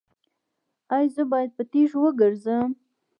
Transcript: ایا زه باید په تیږو وګرځم؟